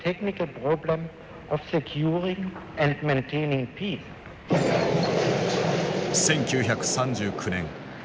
１９３９年９月。